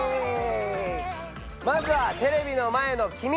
まずはテレビの前のきみ！